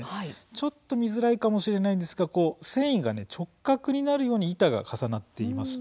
ちょっと見づらいかもしれないんですがこう繊維が直角になるように板が重なっています。